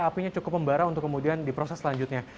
apinya cukup membara untuk kemudian diproses selanjutnya